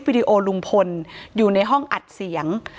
ถ้าใครอยากรู้ว่าลุงพลมีโปรแกรมทำอะไรที่ไหนยังไง